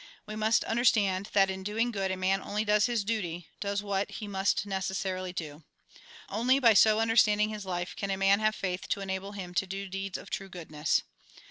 We must understand that, in doing good, a man only does his duty, does what he must necessarily do. Only by so understanding his life, can a man have faith to enable him to do deeds of true goodness.